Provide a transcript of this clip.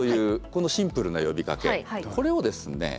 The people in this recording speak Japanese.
これをですね